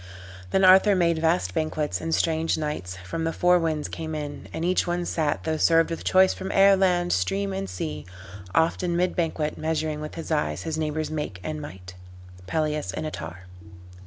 "Then Arthur made vast banquets, and strange knights From the four winds came in: and each one sat, Tho' served with choice from air, land, stream and sea, Oft in mid banquet measuring with his eyes His neighbor's make and might." Pelleas and Ettarre.